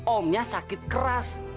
omnya sakit keras